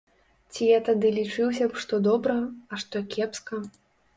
Ці я тады лічыўся б што добра, а што кепска?